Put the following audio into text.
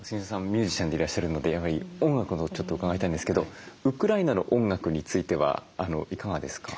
ミュージシャンでいらっしゃるのでやはり音楽をちょっと伺いたいんですけどウクライナの音楽についてはいかがですか？